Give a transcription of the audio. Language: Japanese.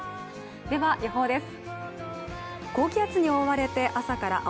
では予報です。